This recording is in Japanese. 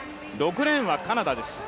６レーンはカナダです。